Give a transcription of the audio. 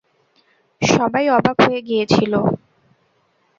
সবাই অবাক হয়ে গিয়েছিল।